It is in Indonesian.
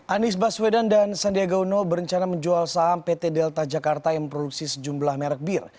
anies baswedan dan sandiaga uno berencana menjual saham pt delta jakarta yang memproduksi sejumlah merek bir